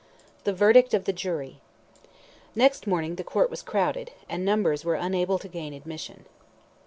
THE VERDICT OF THE JURY. Next morning the Court was crowded, and numbers were unable to gain admission.